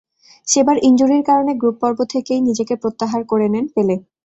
সেবার ইনজুরির কারণে গ্রুপ পর্ব থেকেই নিজেকে প্রত্যাহার করে নেন পেলে।